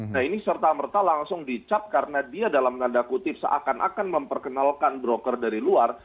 nah ini serta merta langsung dicap karena dia dalam tanda kutip seakan akan memperkenalkan broker dari luar